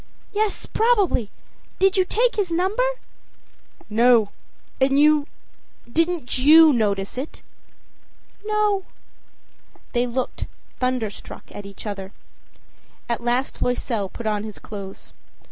â âYes, probably. Did you take his number?â âNo. And you didn't you notice it?â âNo.â They looked, thunderstruck, at each other. At last Loisel put on his clothes.